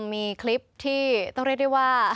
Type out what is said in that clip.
มีคลิปที่ต้องเรียกได้ว่า